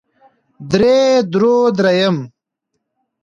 درې درو درېيم